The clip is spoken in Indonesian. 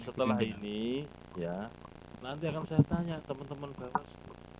setelah ini ya nanti akan saya tanya teman teman bawaslu